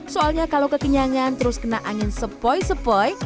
soalnya kalau kekenyangan terus kena angin sepoi sepoi